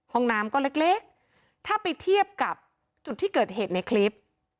ห้องน้ำก็เล็กถ้าไปเทียบกับจุดที่เกิดเหตุในคลิป